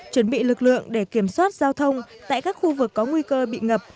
chuẩn bị lực lượng để kiểm soát giao thông tại các khu vực có nguy cơ bị ngập